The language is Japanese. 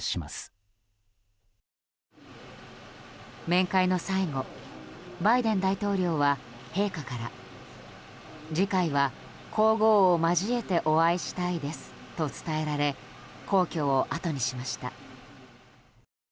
面会の最後バイデン大統領は陛下から次回は皇后を交えてお会いしたいですと伝えられ皇居をあとにしました。